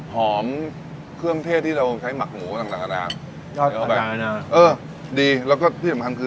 หอมเครื่องเทศที่เราใช้หมักหมูต่างต่างนานายอดเข้าไปนะเออดีแล้วก็ที่สำคัญคือ